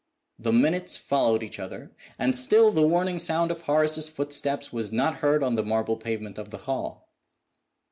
The minutes followed each other; and still the warning sound of Horace's footsteps was not heard on the marble pavement of the hall.